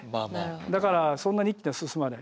だからそんなに一気には進まない。